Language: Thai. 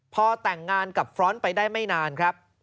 พอแต่งงานกับฟรอนต์ไปได้ไม่นานครับ